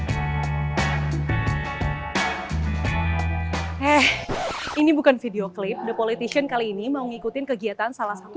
eh ini bukan video klip the politician kali ini mau ngikutin kegiatan salah satu